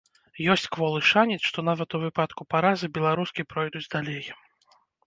Ёсць кволы шанец, што нават у выпадку паразы беларускі пройдуць далей.